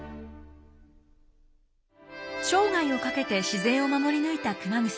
生涯をかけて自然を守り抜いた熊楠。